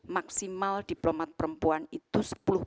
maksimal diplomat perempuan itu sepuluh